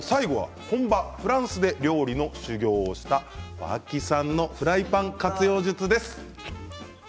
本場フランスで料理の修業をした脇さんのフライパン活用術です。